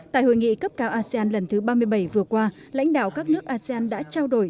tại hội nghị cấp cao asean lần thứ ba mươi bảy vừa qua lãnh đạo các nước asean đã trao đổi